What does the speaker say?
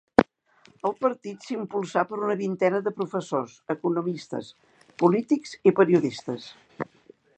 El partit s'impulsà per una vintena de professors, economistes, polítics i periodistes.